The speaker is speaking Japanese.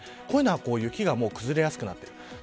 こういうのは雪が崩れやすくなっている。